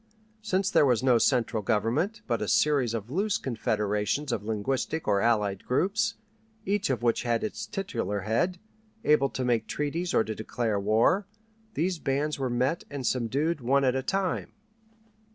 Since there was no central government, but a series of loose confederations of linguistic or allied groups, each of which had its titular head, able to make treaties or to declare war, these bands were met and subdued one at a time.